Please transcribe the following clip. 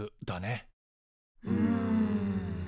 うん。